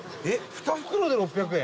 ２袋で６００円？